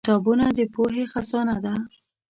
کتابونه د پوهې خزانه ده.